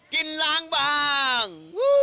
กินล้างบาง